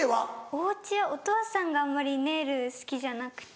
お家はお父さんがあんまりネイル好きじゃなくて。